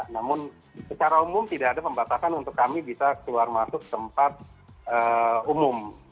namun secara umum tidak ada pembatasan untuk kami bisa keluar masuk tempat umum